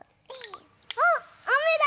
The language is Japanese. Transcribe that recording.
あっあめだ！